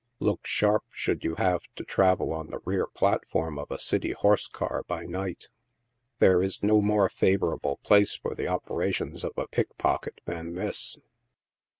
Look sharp should you have to travel on the rear platform of a city horse car by night. There is no more favorable place for the operations of a pickpocket than this.